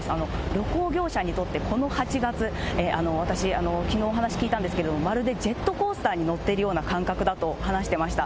旅行業者にとって、この８月、私、きのうお話聞いたんですけど、まるでジェットコースターに乗っているような感覚だと話してました。